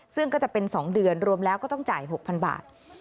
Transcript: ซึ่งก็จะเป็น๒เดือนรวมแล้วก็ต้องจ่าย๖๐๐๐บาท